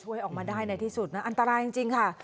ช่วยออกมาได้ในที่สุดนะอันตรายจริงค่ะ